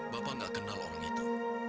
bapak gak kenal orang itu